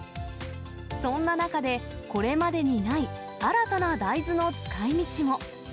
そんな中で、これまでにない新たな大豆の使いみちも。